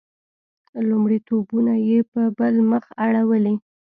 لومړیتونه یې په بل مخ اړولي.